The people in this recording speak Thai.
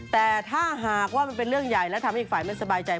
แต่ถ้าหากว่ามันเป็นเรื่องใหญ่และทำให้อีกฝ่ายไม่สบายใจ